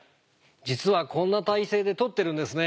実はこんな体勢で撮ってるんですね。